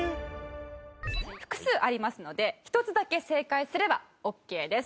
複数ありますので１つだけ正解すればオッケーです。